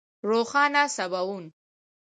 روښانه سباوون